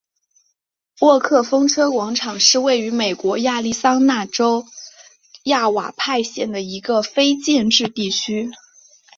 沃克风车广场是位于美国亚利桑那州亚瓦派县的一个非建制地区。